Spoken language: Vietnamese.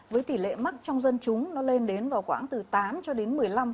với tỷ lệ mắc trong dân chúng nó lên đến vào khoảng từ tám cho đến một mươi năm